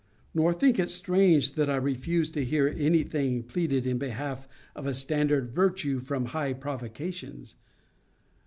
Nor think it strange, that I refuse to hear any thing pleaded in behalf of a standard virtue from high provocations.